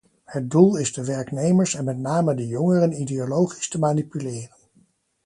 Het doel is de werknemers en met name de jongeren ideologisch te manipuleren.